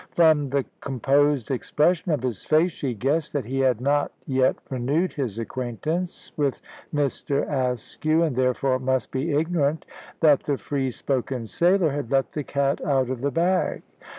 From the composed expression of his face she guessed that he had not yet renewed his acquaintance with Mr. Askew, and therefore must be ignorant that the free spoken sailor had let the cat out of the bag.